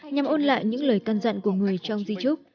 nhằm ôn lại những lời can dặn của người trong di trúc